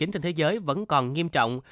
trên thế giới vẫn còn nghiêm trọng